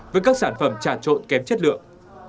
với các sản phẩm trả trộn kém chất lượng